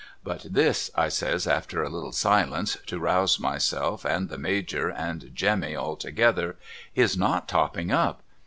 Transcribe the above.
But this' I says after a little silence, to rouse myself and the Major and Jemmy all together, ' is not topping up.